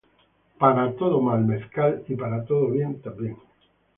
Para todo mal, mezcal y para todo bien también.